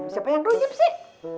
siapa yang runyam sih